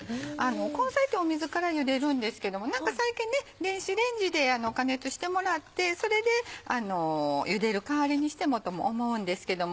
根菜って水からゆでるんですけども最近電子レンジで加熱してもらってそれでゆでる代わりにしてもとも思うんですけども。